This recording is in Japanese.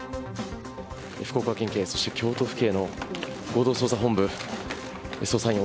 福岡県警、そして京都府警の合同捜査本部捜査員